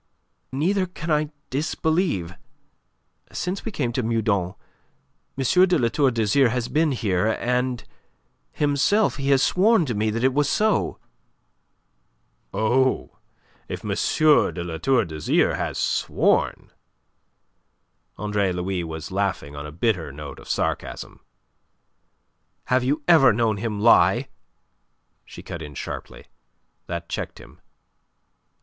neither can I disbelieve. Since we came to Meudon M. de La Tour d'Azyr has been here, and himself he has sworn to me that it was so." "Oh, if M. de La Tour d'Azyr has sworn..." Andre Louis was laughing on a bitter note of sarcasm. "Have you ever known him lie?" she cut in sharply. That checked him.